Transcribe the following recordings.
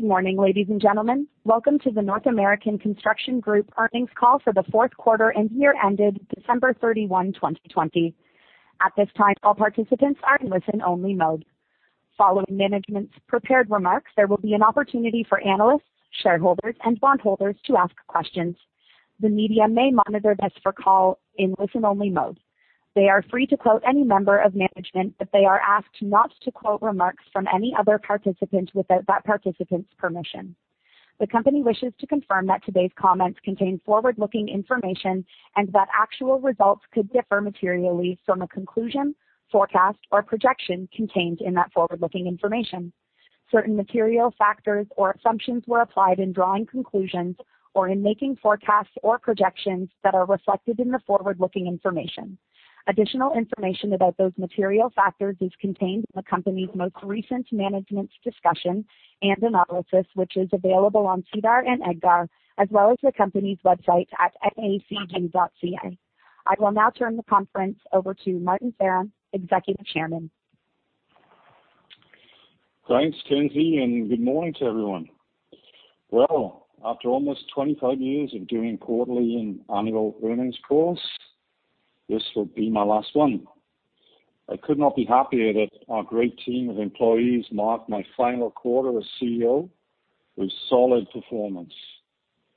Good morning, ladies and gentlemen. Welcome to the North American Construction Group earnings call for the fourth quarter and year ended December 31, 2020. At this time, all participants are in listen-only mode. Following management's prepared remarks, there will be an opportunity for analysts, shareholders, and bondholders to ask questions. The media may monitor this call in listen-only mode. They are free to quote any member of management, but they are asked not to quote remarks from any other participant without that participant's permission. The company wishes to confirm that today's comments contain forward-looking information and that actual results could differ materially from the conclusion, forecast, or projection contained in that forward-looking information. Certain material factors or assumptions were applied in drawing conclusions or in making forecasts or projections that are reflected in the forward-looking information. Additional information about those material factors is contained in the company's most recent management's discussion and analysis, which is available on SEDAR and EDGAR, as well as the company's website at nacg.ca. I will now turn the conference over to Martin Ferron, Executive Chairman. Thanks, Kenzie. Good morning to everyone. Well, after almost 25 years of doing quarterly and annual earnings calls, this will be my last one. I could not be happier that our great team of employees marked my final quarter as CEO with solid performance.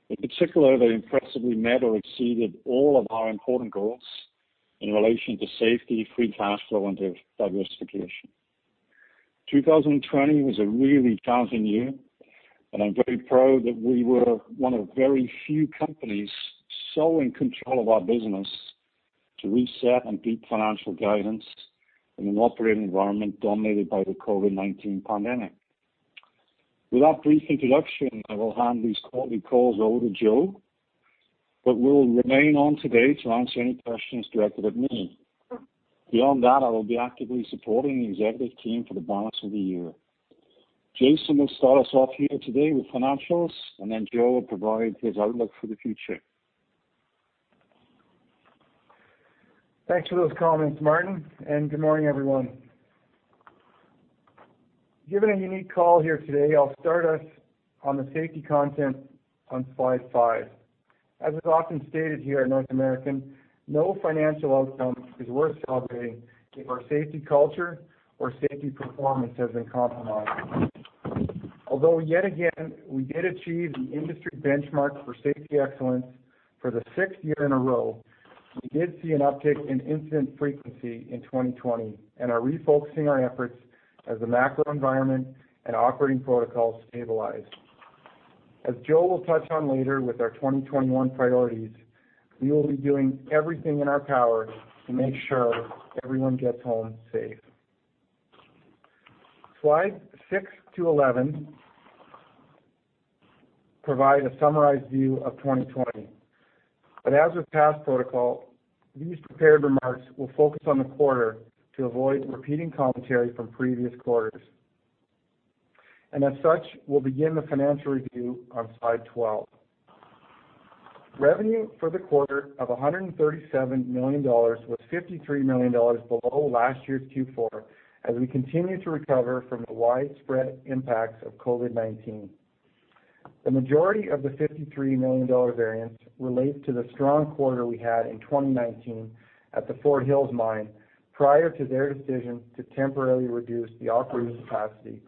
In particular, they impressively met or exceeded all of our important goals in relation to safety, free cash flow, and diversification. 2020 was a really challenging year, and I'm very proud that we were one of very few companies so in control of our business to reset and beat financial guidance in an operating environment dominated by the COVID-19 pandemic. With that brief introduction, I will hand these quarterly calls over to Joe, but will remain on today to answer any questions directed at me. Beyond that, I will be actively supporting the executive team for the balance of the year. Jason will start us off here today with financials, and then Joe will provide his outlook for the future. Thanks for those comments, Martin, and good morning, everyone. Given a unique call here today, I'll start us on the safety content on slide five. As is often stated here at North American, no financial outcome is worth celebrating if our safety culture or safety performance has been compromised. Although yet again, we did achieve the industry benchmark for safety excellence for the sixth year in a row, we did see an uptick in incident frequency in 2020 and are refocusing our efforts as the macro environment and operating protocols stabilize. As Joe will touch on later with our 2021 priorities, we will be doing everything in our power to make sure everyone gets home safe. Slides 6-11 provide a summarized view of 2020, but as with past protocol, these prepared remarks will focus on the quarter to avoid repeating commentary from previous quarters. As such, we'll begin the financial review on slide 12. Revenue for the quarter of 137 million dollars was 53 million dollars below last year's Q4, as we continue to recover from the widespread impacts of COVID-19. The majority of the 53 million dollar variance relates to the strong quarter we had in 2019 at the Fort Hills mine, prior to their decision to temporarily reduce the operating capacity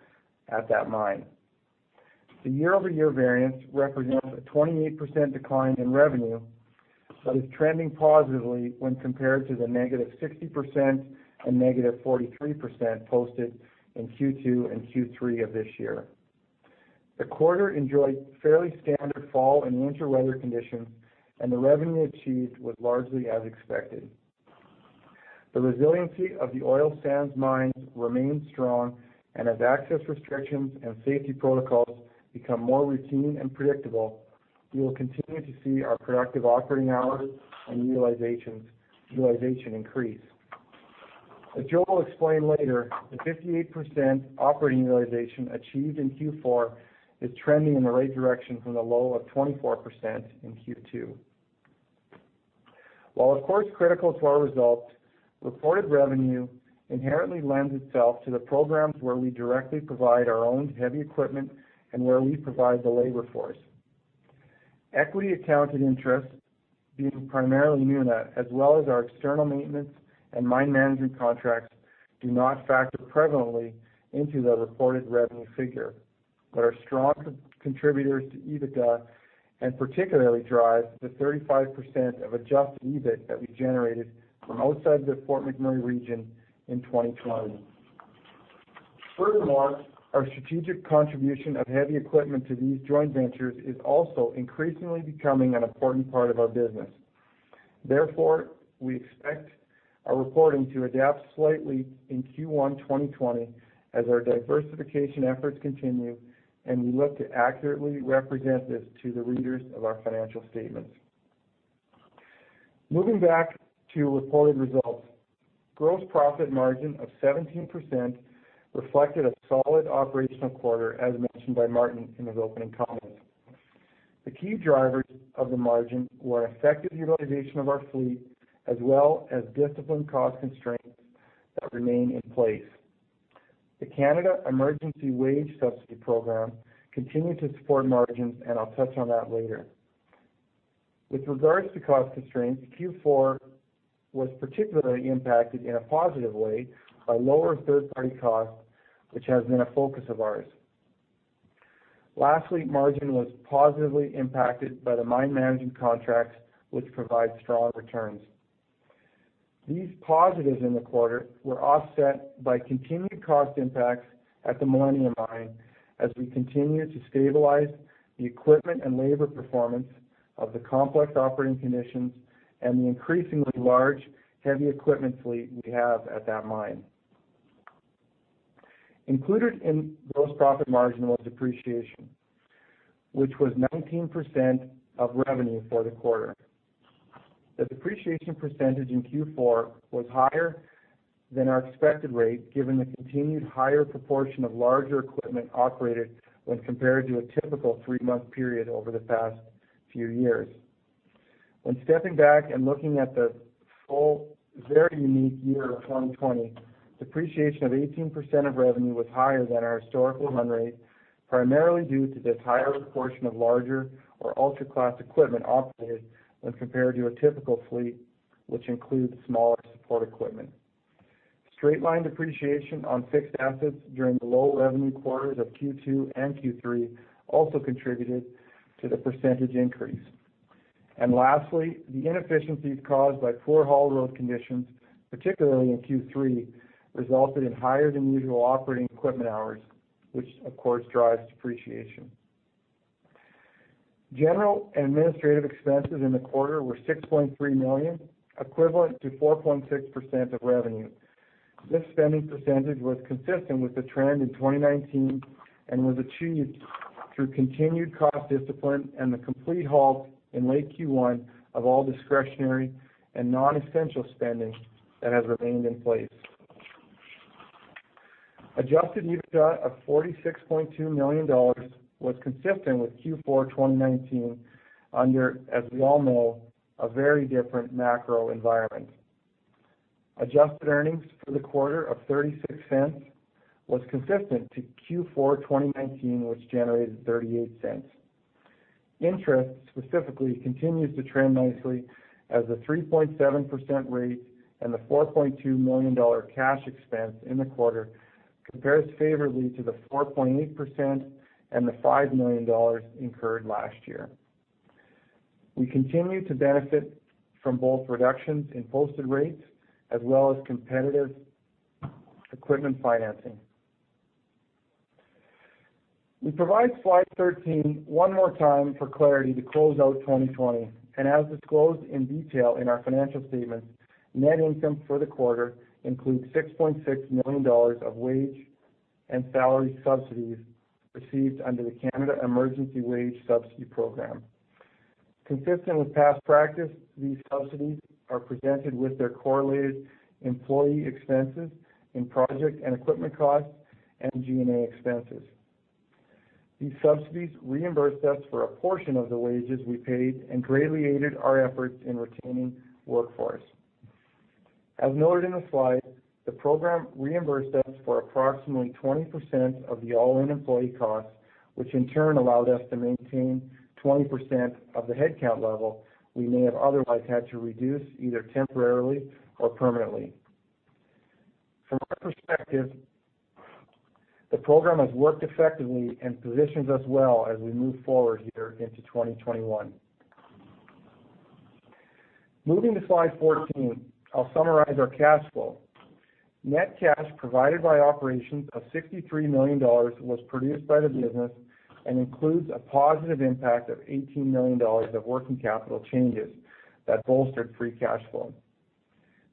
at that mine. The year-over-year variance represents a 28% decline in revenue, but is trending positively when compared to the negative 60% and negative 43% posted in Q2 and Q3 of this year. The quarter enjoyed fairly standard fall and winter weather conditions, the revenue achieved was largely as expected. The resiliency of the oil sands mines remains strong. As access restrictions and safety protocols become more routine and predictable, we will continue to see our productive operating hours and utilization increase. As Joe will explain later, the 58% operating utilization achieved in Q4 is trending in the right direction from the low of 24% in Q2. While of course critical to our results, reported revenue inherently lends itself to the programs where we directly provide our own heavy equipment and where we provide the labor force. Equity accounted interest, being primarily Nuna, as well as our external maintenance and mine management contracts, do not factor prevalently into the reported revenue figure, but are strong contributors to EBITDA and particularly drive the 35% of adjusted EBIT that we generated from outside the Fort McMurray region in 2020. Furthermore, our strategic contribution of heavy equipment to these joint ventures is also increasingly becoming an important part of our business. Therefore, we expect our reporting to adapt slightly in Q1 2020 as our diversification efforts continue, and we look to accurately represent this to the readers of our financial statements. Moving back to reported results, gross profit margin of 17% reflected a solid operational quarter as mentioned by Martin in his opening comments. The key drivers of the margin were an effective utilization of our fleet, as well as disciplined cost constraints that remain in place. The Canada Emergency Wage Subsidy Program continued to support margins, and I'll touch on that later. With regards to cost constraints, Q4 was particularly impacted in a positive way by lower third-party costs, which has been a focus of ours. Lastly, margin was positively impacted by the mine management contracts, which provide strong returns. These positives in the quarter were offset by continued cost impacts at the Millennium Mine as we continue to stabilize the equipment and labor performance of the complex operating conditions and the increasingly large heavy equipment fleet we have at that mine. Included in gross profit margin was depreciation, which was 19% of revenue for the quarter. The depreciation percentage in Q4 was higher than our expected rate, given the continued higher proportion of larger equipment operated when compared to a typical three-month period over the past few years. When stepping back and looking at the full, very unique year of 2020, depreciation of 18% of revenue was higher than our historical run rate, primarily due to this higher proportion of larger or ultra-class equipment operated when compared to a typical fleet, which includes smaller support equipment. Straight-line depreciation on fixed assets during the low-revenue quarters of Q2 and Q3 also contributed to the percentage increase. Lastly, the inefficiencies caused by poor haul road conditions, particularly in Q3, resulted in higher than usual operating equipment hours, which of course, drives depreciation. General and administrative expenses in the quarter were 6.3 million, equivalent to 4.6% of revenue. This spending percentage was consistent with the trend in 2019 and was achieved through continued cost discipline and the complete halt in late Q1 of all discretionary and non-essential spending that has remained in place. Adjusted EBITDA of 46.2 million dollars was consistent with Q4 2019 under, as we all know, a very different macro environment. Adjusted earnings for the quarter of 0.36 was consistent to Q4 2019, which generated 0.38. Interest specifically continues to trend nicely as a 3.7% rate and the 4.2 million dollar cash expense in the quarter compares favorably to the 4.8% and the 5 million dollars incurred last year. We continue to benefit from both reductions in posted rates as well as competitive equipment financing. We provide slide 13 one more time for clarity to close out 2020. As disclosed in detail in our financial statements, net income for the quarter includes 6.6 million dollars of wage and salary subsidies received under the Canada Emergency Wage Subsidy program. Consistent with past practice, these subsidies are presented with their correlated employee expenses in project and equipment costs and G&A expenses. These subsidies reimbursed us for a portion of the wages we paid and greatly aided our efforts in retaining workforce. As noted in the slide, the program reimbursed us for approximately 20% of the all-in employee costs, which in turn allowed us to maintain 20% of the headcount level we may have otherwise had to reduce either temporarily or permanently. From our perspective, the program has worked effectively and positions us well as we move forward here into 2021. Moving to slide 14, I'll summarize our cash flow. Net cash provided by operations of 63 million dollars was produced by the business and includes a positive impact of 18 million dollars of working capital changes that bolstered free cash flow.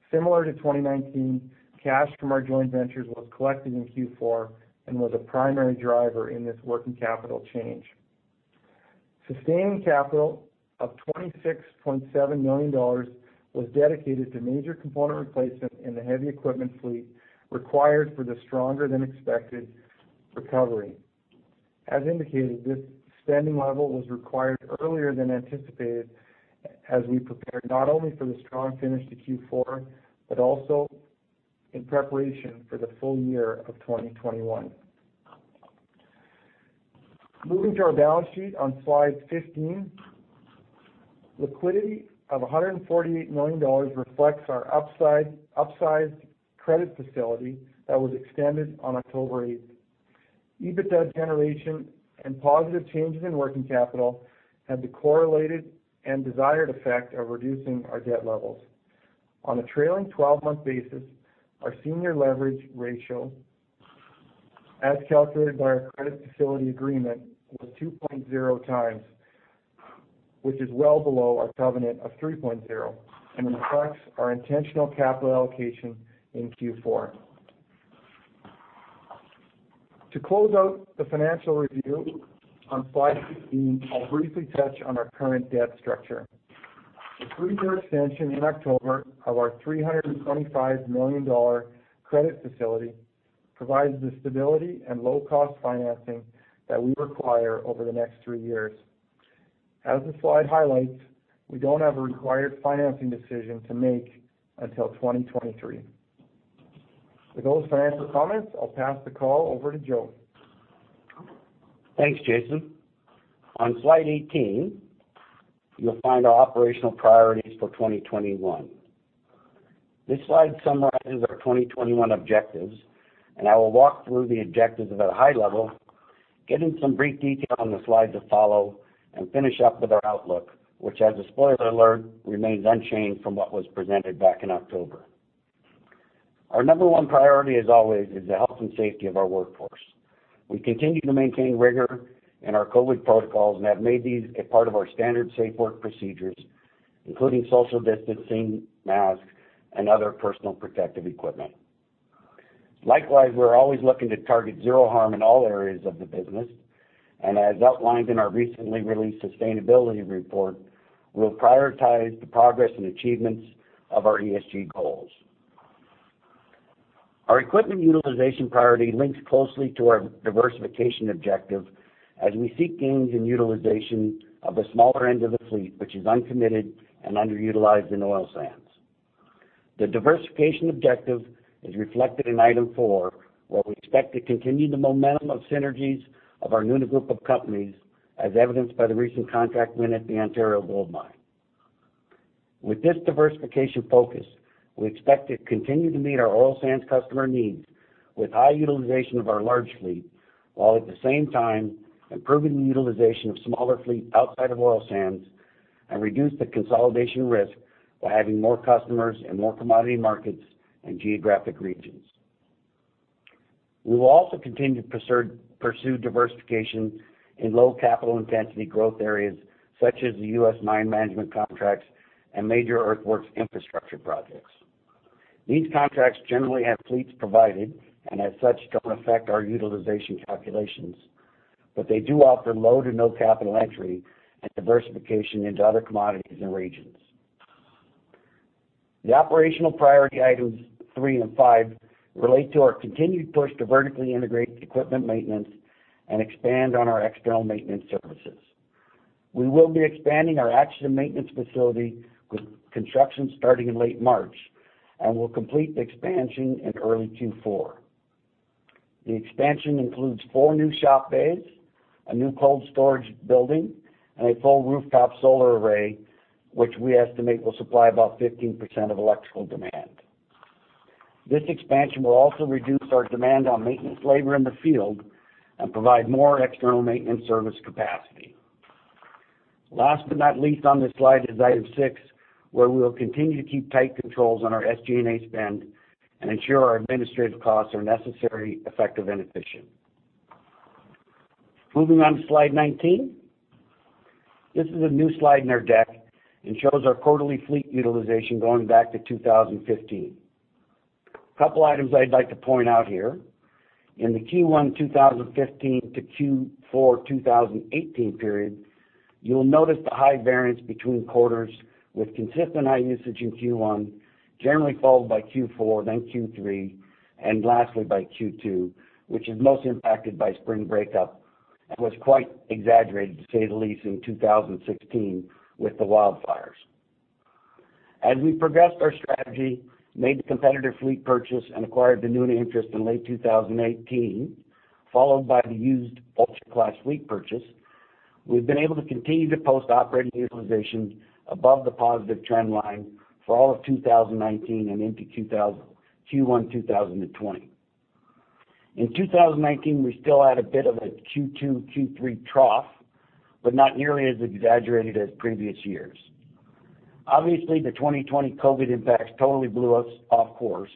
Similar to 2019, cash from our joint ventures was collected in Q4 and was a primary driver in this working capital change. Sustaining capital of 26.7 million dollars was dedicated to major component replacement in the heavy equipment fleet required for the stronger than expected recovery. As indicated, this spending level was required earlier than anticipated as we prepared not only for the strong finish to Q4, but also in preparation for the full year of 2021. Moving to our balance sheet on slide 15, liquidity of 148 million dollars reflects our upside credit facility that was extended on October 8th. EBITDA generation and positive changes in working capital had the correlated and desired effect of reducing our debt levels. On a trailing 12-month basis, our senior leverage ratio, as calculated by our credit facility agreement, was 2.0x, which is well below our covenant of 3.0x and reflects our intentional capital allocation in Q4. To close out the financial review on slide 16, I'll briefly touch on our current debt structure. The three-year extension in October of our 325 million dollar credit facility provides the stability and low-cost financing that we require over the next three years. As the slide highlights, we don't have a required financing decision to make until 2023. With those financial comments, I'll pass the call over to Joe. Thanks, Jason. On slide 18, you'll find our operational priorities for 2021. This slide summarizes our 2021 objectives, and I will walk through the objectives at a high level, get into some brief detail on the slides that follow, and finish up with our outlook, which, as a spoiler alert, remains unchanged from what was presented back in October. Our number one priority, as always, is the health and safety of our workforce. We continue to maintain rigor in our COVID protocols and have made these a part of our standard safe work procedures, including social distancing, masks, and other personal protective equipment. Likewise, we're always looking to target zero harm in all areas of the business, and as outlined in our recently released sustainability report, we'll prioritize the progress and achievements of our ESG goals. Our equipment utilization priority links closely to our diversification objective as we seek gains in utilization of the smaller end of the fleet, which is uncommitted and underutilized in oil sands. The diversification objective is reflected in item four, where we expect to continue the momentum of synergies of our Nuna Group of Companies, as evidenced by the recent contract win at the Ontario gold mine. With this diversification focus, we expect to continue to meet our oil sands customer needs with high utilization of our large fleet, while at the same time improving the utilization of smaller fleet outside of oil sands and reduce the consolidation risk by having more customers in more commodity markets and geographic regions. We will also continue to pursue diversification in low capital intensity growth areas such as the U.S. mine management contracts and major earthworks infrastructure projects. These contracts generally have fleets provided, and as such, don't affect our utilization calculations, but they do offer low to no capital entry and diversification into other commodities and regions. The operational priority items three and five relate to our continued push to vertically integrate equipment maintenance and expand on our external maintenance services. We will be expanding our Acheson maintenance facility with construction starting in late March and will complete the expansion in early Q4. The expansion includes four new shop bays, a new cold storage building, and a full rooftop solar array, which we estimate will supply about 15% of electrical demand. This expansion will also reduce our demand on maintenance labor in the field and provide more external maintenance service capacity. Last but not least on this slide is item six, where we will continue to keep tight controls on our SG&A spend and ensure our administrative costs are necessary, effective, and efficient. Moving on to slide 19. This is a new slide in our deck and shows our quarterly fleet utilization going back to 2015. A couple items I'd like to point out here. In the Q1 2015 to Q4 2018 period, you'll notice the high variance between quarters, with consistent high usage in Q1, generally followed by Q4, then Q3, and lastly by Q2, which is most impacted by spring breakup and was quite exaggerated, to say the least, in 2016 with the wildfires. As we progressed our strategy, made the competitive fleet purchase, and acquired the Nuna interest in late 2018, followed by the used ultra-class fleet purchase, we've been able to continue to post operating utilization above the positive trend line for all of 2019 and into Q1 2020. In 2019, we still had a bit of a Q2, Q3 trough, but not nearly as exaggerated as previous years. Obviously, the 2020 COVID impacts totally blew us off course,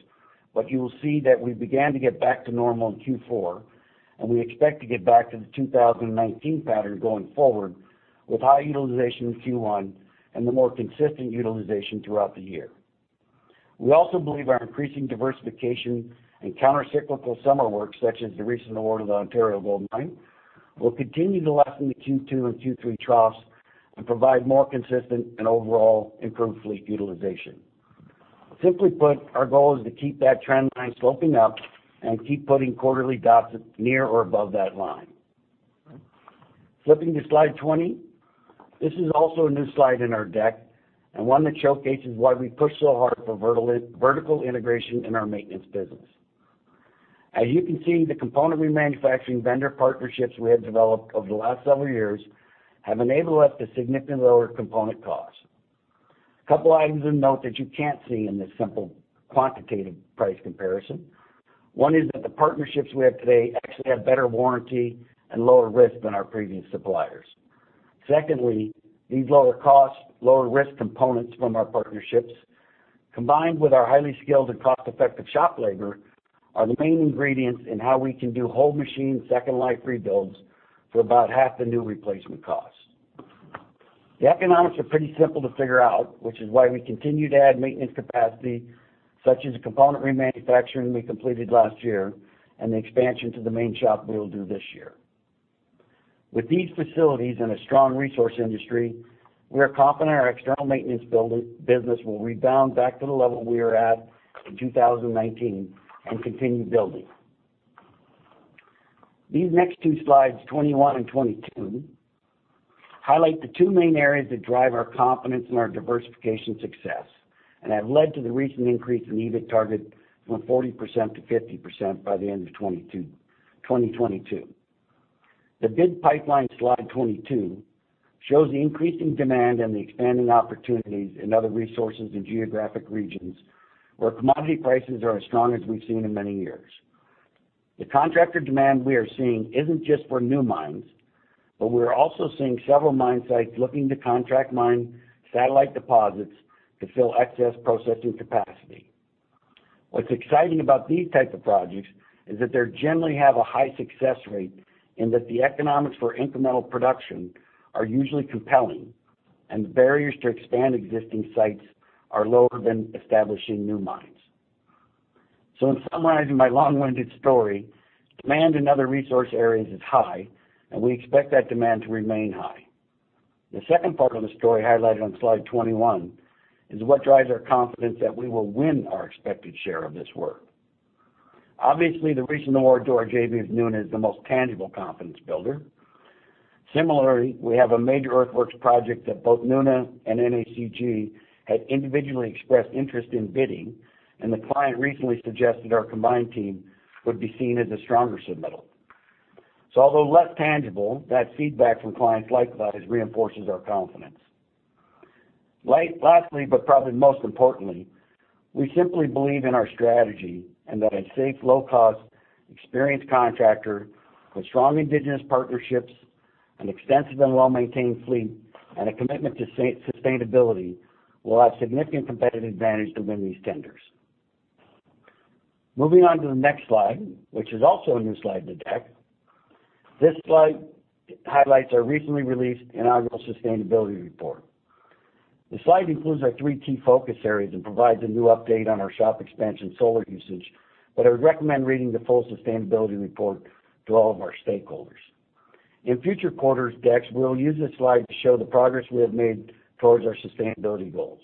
but you will see that we began to get back to normal in Q4, and we expect to get back to the 2019 pattern going forward with high utilization in Q1 and the more consistent utilization throughout the year. We also believe our increasing diversification and countercyclical summer work, such as the recent award of the Ontario gold mine, will continue to lessen the Q2 and Q3 troughs and provide more consistent and overall improved fleet utilization. Simply put, our goal is to keep that trend line sloping up and keep putting quarterly dots near or above that line. Flipping to slide 20. This is also a new slide in our deck and one that showcases why we pushed so hard for vertical integration in our maintenance business. As you can see, the component remanufacturing vendor partnerships we have developed over the last several years have enabled us to significantly lower component costs. A couple items of note that you can't see in this simple quantitative price comparison. One is that the partnerships we have today actually have better warranty and lower risk than our previous suppliers. Secondly, these lower cost, lower risk components from our partnerships, combined with our highly skilled and cost-effective shop labor, are the main ingredients in how we can do whole machine second-life rebuilds for about half the new replacement cost. The economics are pretty simple to figure out, which is why we continue to add maintenance capacity, such as component remanufacturing we completed last year and the expansion to the main shop we will do this year. With these facilities and a strong resource industry, we are confident our external maintenance business will rebound back to the level we were at in 2019 and continue building. These next two slides, 21 and 22, highlight the two main areas that drive our confidence in our diversification success and have led to the recent increase in EBIT target from 40%-50% by the end of 2022. The bid pipeline, slide 22, shows the increasing demand and the expanding opportunities in other resources and geographic regions where commodity prices are as strong as we've seen in many years. The contractor demand we are seeing isn't just for new mines, but we're also seeing several mine sites looking to contract mine satellite deposits to fill excess processing capacity. What's exciting about these types of projects is that they generally have a high success rate in that the economics for incremental production are usually compelling, and the barriers to expand existing sites are lower than establishing new mines. In summarizing my long-winded story, demand in other resource areas is high, and we expect that demand to remain high. The second part of the story, highlighted on slide 21, is what drives our confidence that we will win our expected share of this work. Obviously, the recent award to our JV with Nuna is the most tangible confidence builder. Similarly, we have a major earthworks project that both Nuna and NACG had individually expressed interest in bidding, and the client recently suggested our combined team would be seen as a stronger submittal. Although less tangible, that feedback from clients likewise reinforces our confidence. Lastly, but probably most importantly, we simply believe in our strategy and that a safe, low-cost, experienced contractor with strong indigenous partnerships, an extensive and well-maintained fleet, and a commitment to sustainability will have significant competitive advantage to win these tenders. Moving on to the next slide, which is also a new slide in the deck. This slide highlights our recently released inaugural sustainability report. The slide includes our three key focus areas and provides a new update on our shop expansion solar usage. I would recommend reading the full sustainability report to all of our stakeholders. In future quarters' decks, we will use this slide to show the progress we have made towards our sustainability goals.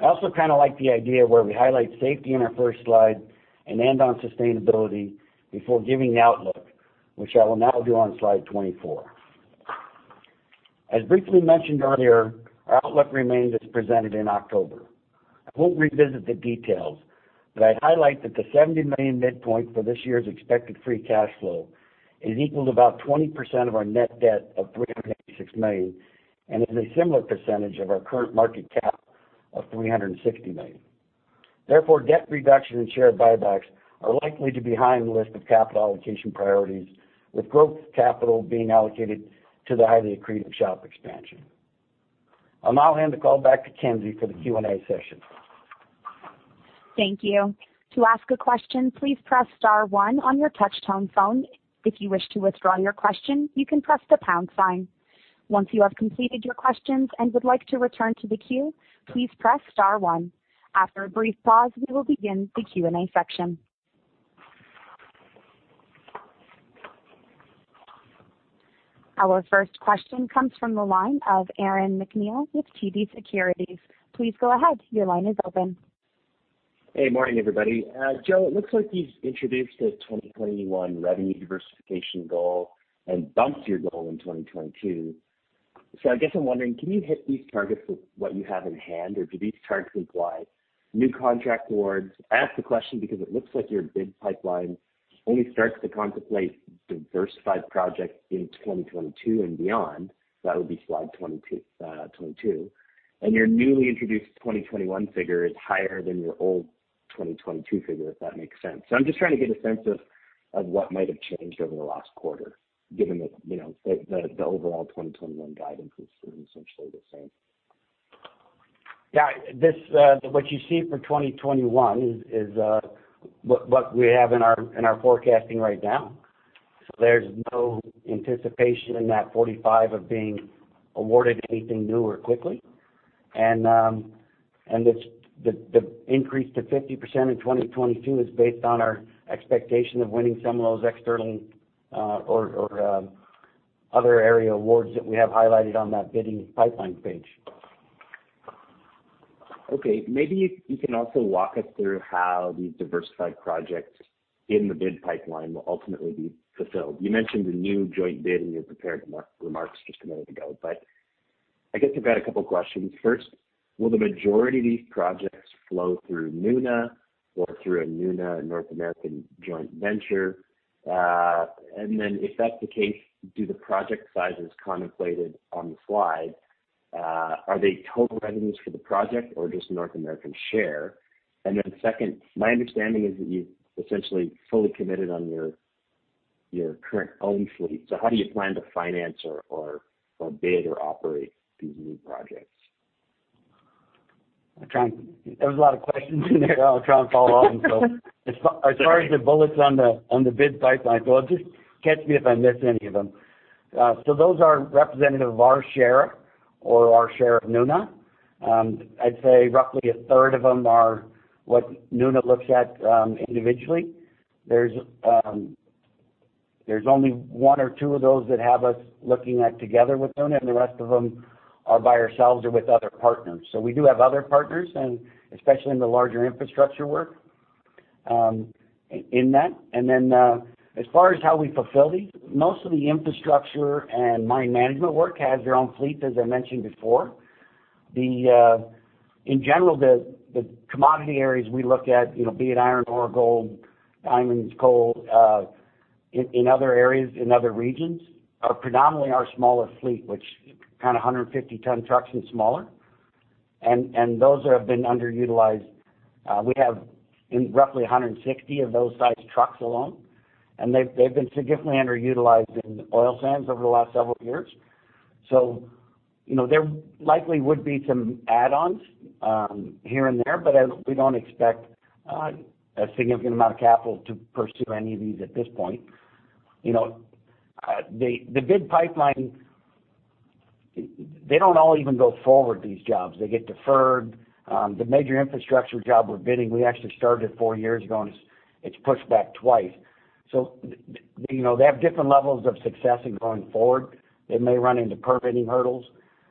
I also kind of like the idea where we highlight safety in our first slide and end on sustainability before giving the outlook, which I will now do on slide 24. As briefly mentioned earlier, our outlook remains as presented in October. I won't revisit the details. I'd highlight that the 70 million midpoint for this year's expected free cash flow is equal to about 20% of our net debt of 386 million and is a similar percentage of our current market cap of 360 million. Therefore, debt reduction and share buybacks are likely to be high on the list of capital allocation priorities, with growth capital being allocated to the highly accretive shop expansion. I'll now hand the call back to Kenzie for the Q&A session. Thank you. To ask a question, please press star one on your touch-tone phone. If you wish to withdraw your question, you can press the pound sign. Once you have completed your questions and would like to return to the queue, please press star one. After a brief pause, we will begin the Q&A section. Our first question comes from the line of Aaron MacNeil with TD Securities. Please go ahead. Your line is open. Hey, morning, everybody. Joe, it looks like you've introduced a 2021 revenue diversification goal and bumped your goal in 2022. I guess I'm wondering, can you hit these targets with what you have in hand, or do these targets imply new contract awards? I ask the question because it looks like your bid pipeline only starts to contemplate diversified projects in 2022 and beyond. That would be slide 22. Your newly introduced 2021 figure is higher than your old 2022 figure, if that makes sense. I'm just trying to get a sense of what might have changed over the last quarter, given that the overall 2021 guidance is essentially the same. Yeah. What you see for 2021 is what we have in our forecasting right now. There's no anticipation in that 45% of being awarded anything new or quickly. The increase to 50% in 2022 is based on our expectation of winning some of those external or other area awards that we have highlighted on that bidding pipeline page. Maybe you can also walk us through how these diversified projects in the bid pipeline will ultimately be fulfilled. You mentioned the new joint bid in your prepared remarks just a minute ago, but I guess I've got a couple questions. First, will the majority of these projects flow through Nuna or through a Nuna and North American joint venture? If that's the case, do the project sizes contemplated on the slide, are they total revenues for the project or just North American share? Second, my understanding is that you've essentially fully committed on your current own fleet. How do you plan to finance or bid or operate these new projects? There was a lot of questions in there. I'll try and follow along. Sorry. As far as the bullets on the bid pipeline, just catch me if I miss any of them. Those are representative of our share or our share of Nuna. I'd say roughly a third of them are what Nuna looks at individually. There's only one or two of those that have us looking at together with Nuna, the rest of them are by ourselves or with other partners. We do have other partners, especially in the larger infrastructure work in that. As far as how we fulfill these, most of the infrastructure and mine management work has their own fleet, as I mentioned before. In general, the commodity areas we look at, be it iron ore, gold, diamonds, coal, in other areas, in other regions, are predominantly our smaller fleet, which kind of 150 ton trucks and smaller. Those have been underutilized. We have roughly 160 of those size trucks alone, and they've been significantly underutilized in oil sands over the last several years. There likely would be some add-ons here and there, but we don't expect a significant amount of capital to pursue any of these at this point. The bid pipeline, they don't all even go forward, these jobs. They get deferred. The major infrastructure job we're bidding, we actually started it four years ago, and it's pushed back twice. They have different levels of success in going forward. They may run into permitting hurdles.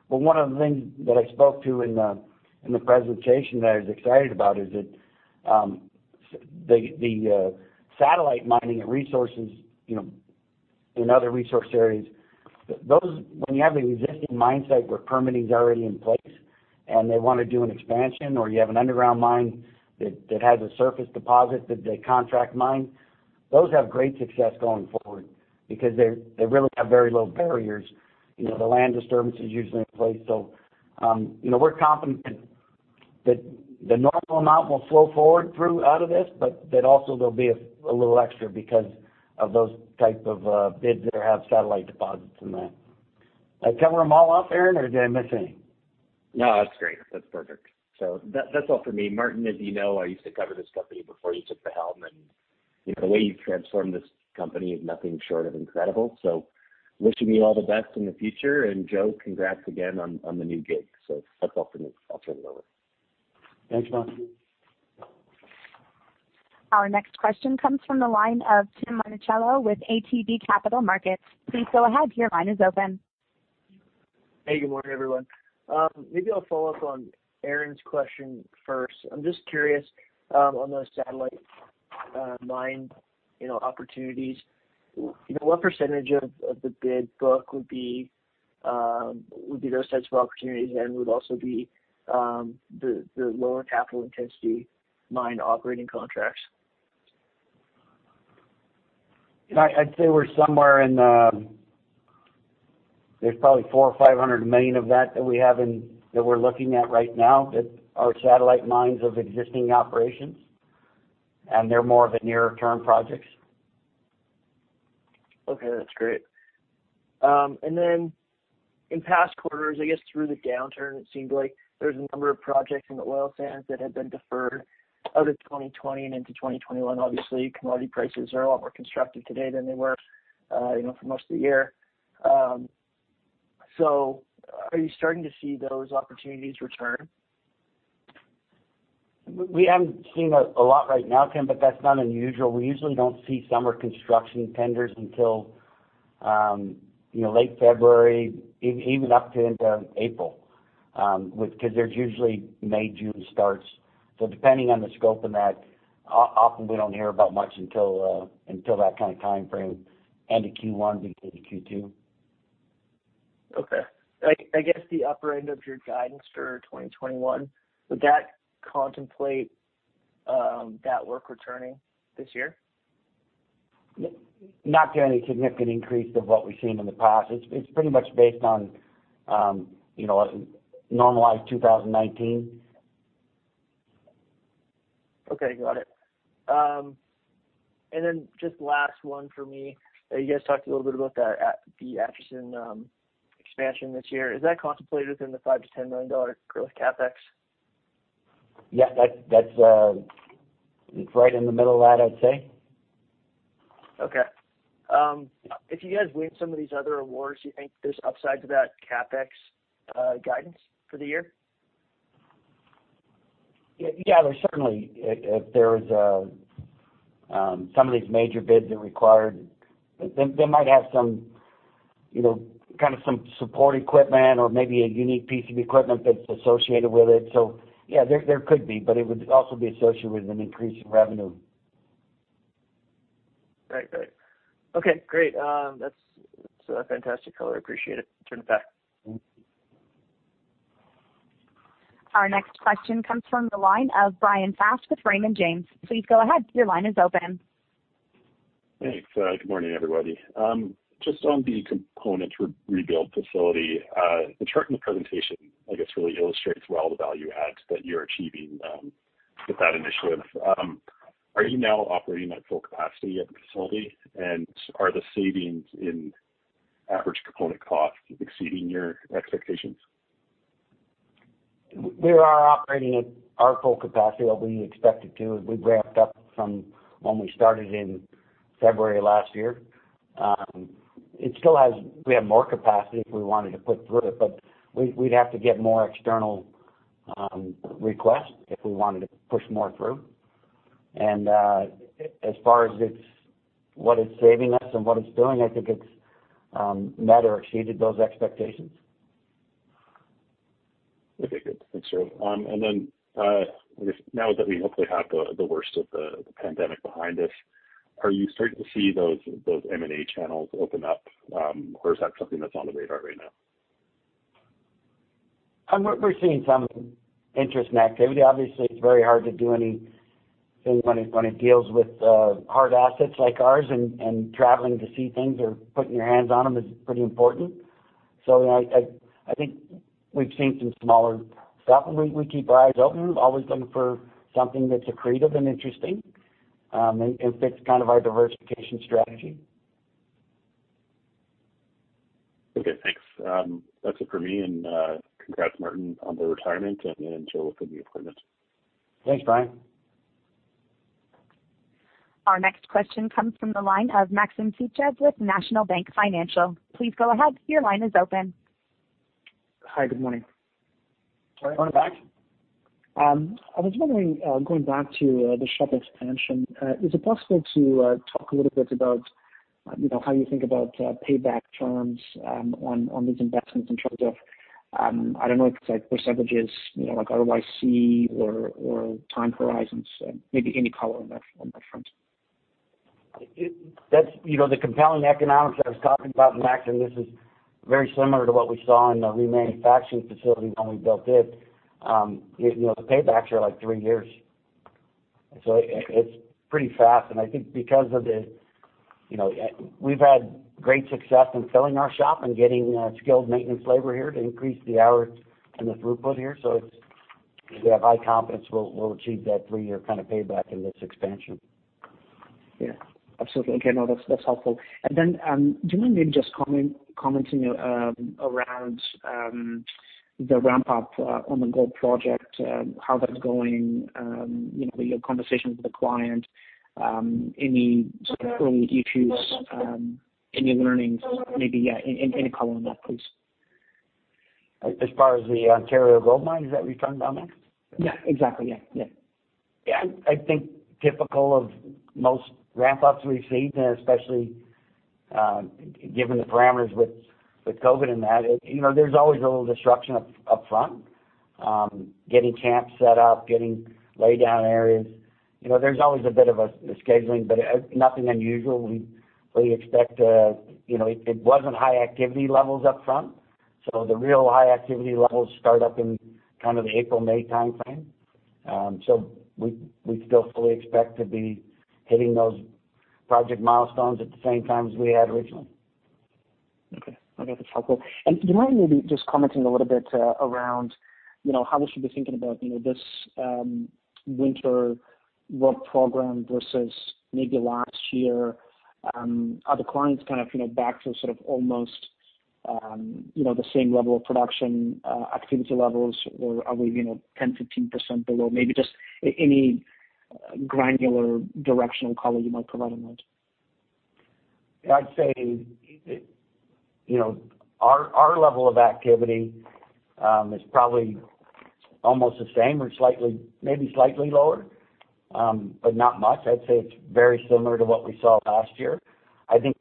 One of the things that I spoke to in the presentation that I was excited about is that the satellite mining at resources in other resource areas. When you have an existing mine site where permitting is already in place and they want to do an expansion, or you have an underground mine that has a surface deposit that they contract mine, those have great success going forward because they really have very low barriers. The land disturbance is usually in place. We're confident that the normal amount will flow forward through out of this, but that also there'll be a little extra because of those type of bids that have satellite deposits in there. Did I cover them all off, Aaron, or did I miss any? That's great. That's perfect. That's all for me. Martin, as you know, I used to cover this company before you took the helm, and the way you've transformed this company is nothing short of incredible. Wishing you all the best in the future. Joe, congrats again on the new gig. That's all for me. I'll turn it over. Thanks, Aaron. Our next question comes from the line of Tim Monachello with ATB Capital Markets. Please go ahead, your line is open. Hey, good morning, everyone. Maybe I'll follow up on Aaron's question first. I'm just curious, on those satellite mine opportunities, what percentage of the bid book would be those types of opportunities and would also be the lower capital intensity mine operating contracts? I'd say there's probably 400 million or 500 million of that that we're looking at right now that are satellite mines of existing operations, and they're more of the nearer term projects. Okay, that's great. In past quarters, I guess through the downturn, it seemed like there was a number of projects in the oil sands that had been deferred out of 2020 and into 2021. Obviously, commodity prices are a lot more constructive today than they were for most of the year. Are you starting to see those opportunities return? We haven't seen a lot right now, Tim, but that's not unusual. We usually don't see summer construction tenders until late February, even up to into April. They're usually May, June starts. Depending on the scope of that, often we don't hear about much until that kind of timeframe, end of Q1 into Q2. Okay. I guess the upper end of your guidance for 2021, would that contemplate that work returning this year? Not to any significant increase of what we've seen in the past. It's pretty much based on normalized 2019. Okay, got it. Just last one for me. You guys talked a little bit about the Acheson expansion this year. Is that contemplated within the 5 million-10 million dollar growth CapEx? That's right in the middle of that, I'd say. Okay. If you guys win some of these other awards, do you think there's upside to that CapEx guidance for the year? Yeah. There's certainly, if there was some of these major bids that required They might have some kind of support equipment or maybe a unique piece of equipment that's associated with it. Yeah, there could be, but it would also be associated with an increase in revenue. Right. Okay, great. That's a fantastic color. I appreciate it. Turn it back. Our next question comes from the line of Bryan Fast with Raymond James. Please go ahead. Your line is open. Thanks. Good morning, everybody. Just on the component rebuild facility. The chart in the presentation, I guess, really illustrates well the value adds that you're achieving with that initiative. Are you now operating at full capacity at the facility? Are the savings in average component cost exceeding your expectations? We are operating at our full capacity, what we expected to, as we ramped up from when we started in February last year. We have more capacity if we wanted to put through it. We'd have to get more external requests if we wanted to push more through. As far as what it's saving us and what it's doing, I think it's met or exceeded those expectations. Okay, good. Thanks, Joe. I guess now that we hopefully have the worst of the pandemic behind us, are you starting to see those M&A channels open up? Or is that something that's on the radar right now? We're seeing some interest and activity. Obviously, it's very hard to do anything when it deals with hard assets like ours and traveling to see things or putting your hands on them is pretty important. I think we've seen some smaller stuff, and we keep our eyes open. We're always looking for something that's accretive and interesting, and fits kind of our diversification strategy. Okay, thanks. That's it for me, and congrats Martin on the retirement and Joe for the appointment. Thanks, Bryan. Our next question comes from the line of Maxim Sytchev with National Bank Financial. Please go ahead. Your line is open. Hi. Good morning. Hi, Max. I was wondering, going back to the shop expansion, is it possible to talk a little bit about how you think about payback terms on these investments in terms of, I don't know if it's like percentages, like ROIC or time horizons, maybe any color on that front? The compelling economics I was talking about, Max, this is very similar to what we saw in the remanufacturing facility when we built it. The paybacks are like three years. It's pretty fast. I think because We've had great success in filling our shop and getting skilled maintenance labor here to increase the hours and the throughput here. We have high confidence we'll achieve that three-year kind of payback in this expansion. Yeah. Absolutely. Okay, no, that's helpful. Do you mind maybe just commenting around the ramp-up on the gold project, how that's going, your conversation with the client, any sort of early issues, any learnings maybe, yeah, any color on that, please? As far as the Ontario gold mine, is that what you're talking about, Max? Yeah, exactly. Yeah. I think typical of most ramp-ups we've seen, especially given the parameters with COVID and that, there's always a little disruption up front. Getting camps set up, getting laydown areas. There's always a bit of a scheduling, but nothing unusual. It wasn't high activity levels up front. The real high activity levels start up in kind of the April, May timeframe. We still fully expect to be hitting those project milestones at the same time as we had originally. Okay. That's helpful. Do you mind maybe just commenting a little bit around how we should be thinking about this winter work program versus maybe last year? Are the clients kind of back to sort of almost the same level of production, activity levels, or are we 10%, 15% below? Maybe just any granular directional color you might provide on that. I'd say our level of activity is probably almost the same or maybe slightly lower. Not much. I'd say it's very similar to what we saw last year. I think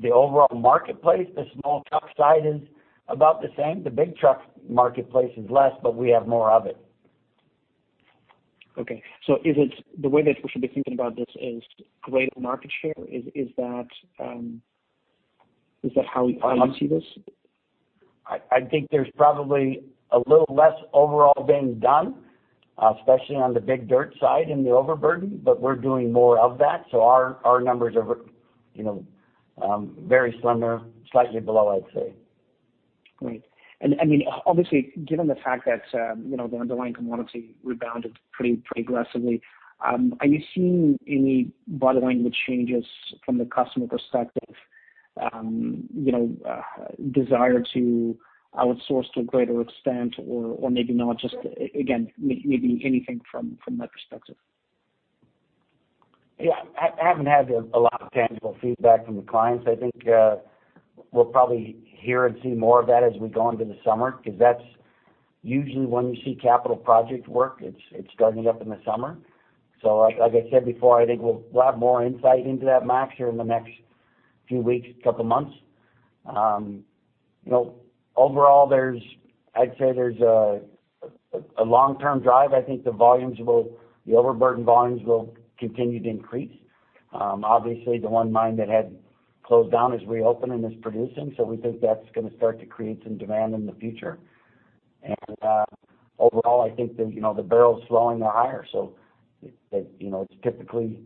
the overall marketplace, the small truck side is about the same. The big truck marketplace is less, but we have more of it. Okay. The way that we should be thinking about this is greater market share. Is that how you see this? I think there's probably a little less overall being done, especially on the big dirt side in the overburden. We're doing more of that. Our numbers are very similar, slightly below, I'd say. Great. Obviously, given the fact that the underlying commodity rebounded pretty aggressively, are you seeing any bottom line with changes from the customer perspective, desire to outsource to a greater extent, or maybe not? Just again, maybe anything from that perspective? Yeah. I haven't had a lot of tangible feedback from the clients. I think we'll probably hear and see more of that as we go into the summer, because that's usually when we see capital project work. It's starting up in the summer. Like I said before, I think we'll have more insight into that, Max, here in the next few weeks, couple of months. Overall, I'd say there's a long-term drive. I think the overburden volumes will continue to increase. Obviously, the one mine that had closed down is reopening, is producing. We think that's going to start to create some demand in the future. Overall, I think the barrels flowing are higher, so it's typically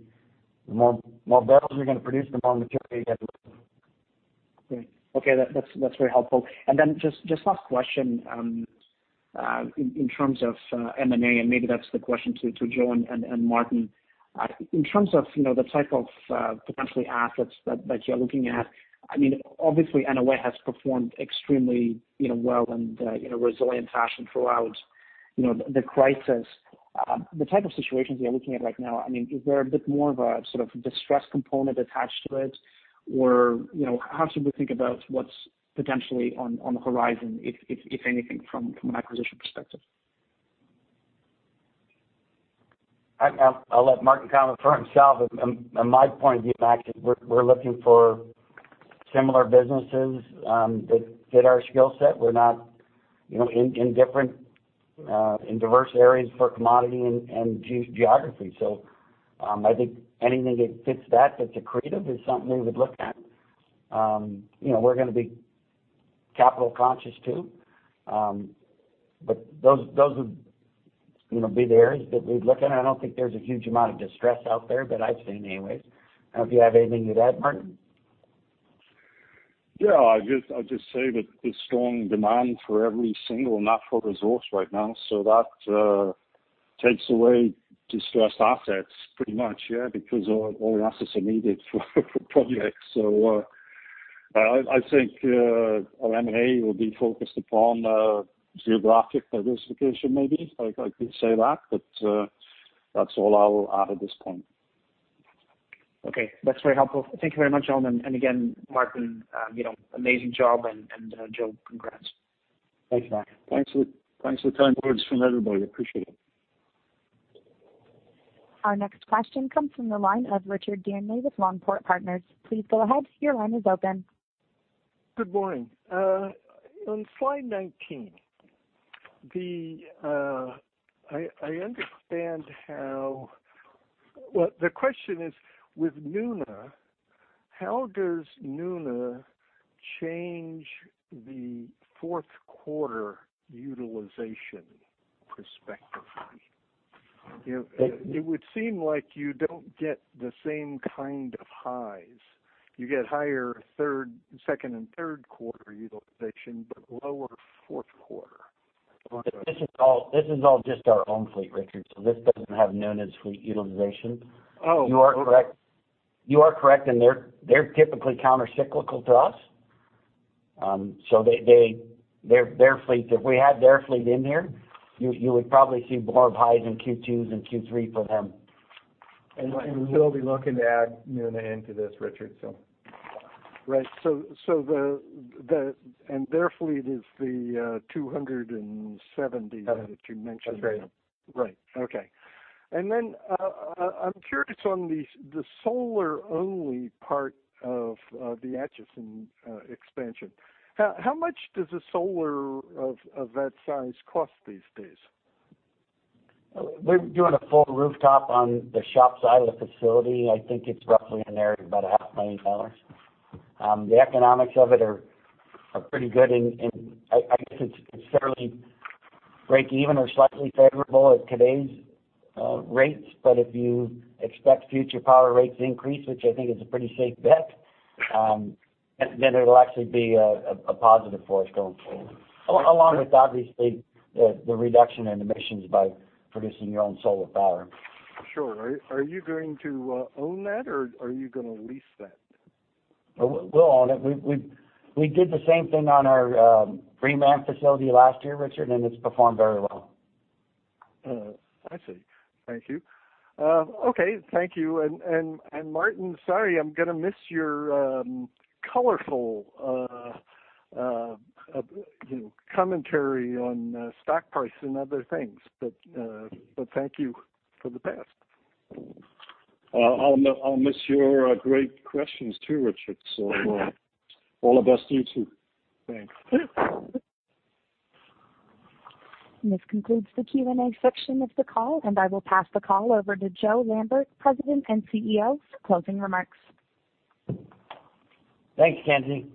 more barrels you're going to produce, the more material you got to move. Great. Okay. That's very helpful. Then just last question, in terms of M&A, and maybe that's the question to Joe and Martin. In terms of the type of potential assets that you're looking at, obviously Nuna has performed extremely well and in a resilient fashion throughout the crisis. The type of situations we are looking at right now, is there a bit more of a distress component attached to it, or how should we think about what's potentially on the horizon, if anything, from an acquisition perspective? I'll let Martin comment for himself. My point of view, actually, we're looking for similar businesses that fit our skill set. We're not in diverse areas for commodity and geography. I think anything that fits that's accretive is something we would look at. We're going to be capital conscious, too. Those would be the areas that we'd look at. I don't think there's a huge amount of distress out there, but I'd say anyways. I don't know if you have anything to add, Martin. Yeah. I'd just say that there's strong demand for every single natural resource right now. That takes away distressed assets pretty much, yeah, because all assets are needed for projects. I think our M&A will be focused upon geographic diversification, maybe. I could say that, but that's all I will add at this point. Okay. That's very helpful. Thank you very much, gentlemen. Again, Martin, amazing job and, Joe, congrats. Thanks, Max. Thanks for the kind words from everybody. Appreciate it. Our next question comes from the line of Richard Dearnley with Longport Partners. Please go ahead. Your line is open. Good morning. On slide 19, the question is, with Nuna, how does Nuna change the fourth quarter utilization perspective? It would seem like you don't get the same kind of highs. You get higher second and third quarter utilization, but lower fourth quarter. This is all just our own fleet, Richard, so this doesn't have Nuna's fleet utilization. Oh. You are correct, and they're typically counter-cyclical to us. If we had their fleet in here, you would probably see more highs in Q2s and Q3 for them. We will be looking to add Nuna into this, Richard. Right. Their fleet is the 270 that you mentioned. That's right. Right. Okay. I'm curious on the solar-only part of the Acheson expansion. How much does a solar of that size cost these days? We're doing a full rooftop on the shop side of the facility. I think it's roughly in the area of about a half million dollars. The economics of it are pretty good, and I guess it's fairly breakeven or slightly favorable at today's rates. But if you expect future power rates increase, which I think is a pretty safe bet, then it'll actually be a positive for us going forward. Along with, obviously, the reduction in emissions by producing your own solar power. Sure. Are you going to own that or are you going to lease that? We'll own it. We did the same thing on our reman facility last year, Richard, and it's performed very well. I see. Thank you. Okay, thank you. Martin, sorry I'm going to miss your colorful commentary on stock price and other things. Thank you for the past. I'll miss your great questions too, Richard. All the best to you, too. Thanks. This concludes the Q&A section of the call, and I will pass the call over to Joe Lambert, President and CEO, for closing remarks. Thanks, Kenzie.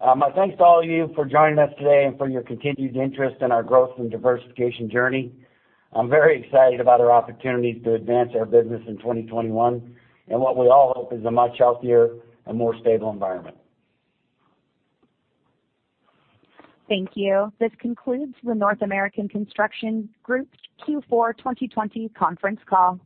My thanks to all of you for joining us today and for your continued interest in our growth and diversification journey. I'm very excited about our opportunities to advance our business in 2021, in what we all hope is a much healthier and more stable environment. Thank you. This concludes the North American Construction Group Q4 2020 conference call.